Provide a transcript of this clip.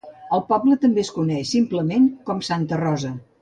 El poble també es coneix simplement com Santa Rosa.